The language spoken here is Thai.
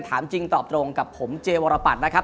ถามจริงตอบตรงกับผมเจวรปัตรนะครับ